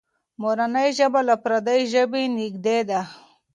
مورنۍ ژبه له پردۍ ژبې نږدې ده.